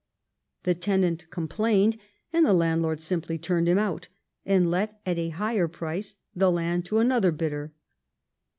The tenant complained, and the landlord simply turned him out and let at a higher price the land to another bidder.